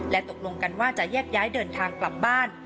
ตกลงกันว่าจะแยกย้ายเดินทางกลับบ้าน